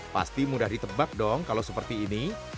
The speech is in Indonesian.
pasti mudah ditebak dong kalau seperti ini